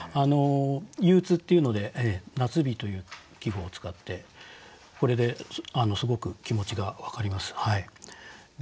憂鬱っていうので「夏日」という季語を使ってこれですごく気持ちが分かりますはい。